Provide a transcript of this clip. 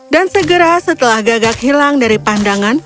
dan segera setelah gagak hilang dari pandangan